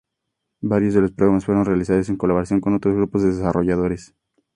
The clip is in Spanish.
Varios de los programas fueron realizados en colaboración con otros grupos de desarrolladores.